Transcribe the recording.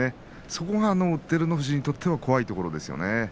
そこが照ノ富士にとっては怖いところですよね。